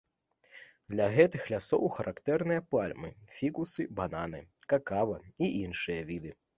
Для гэтых лясоў характэрныя пальмы, фікусы, бананы, какава і іншыя віды.